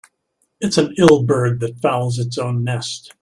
It's an ill bird that fouls its own nest.